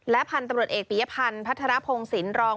และพันธุ์ตำรวจเอกปียพันธุ์พัฒนาโพงศิลรอง